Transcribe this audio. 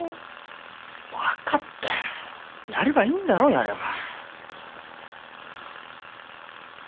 分かったよやればいいんだろやれば。